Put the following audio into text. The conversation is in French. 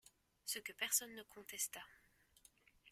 Ce que personne ne contesta.